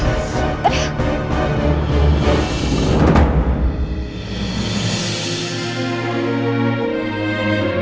habis mere maguk